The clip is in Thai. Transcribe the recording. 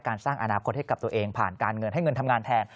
สร้างอนาคตให้กับตัวเองผ่านการเงินให้เงินทำงานแทน